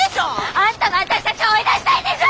あんたも私たちを追い出したいんでしょ！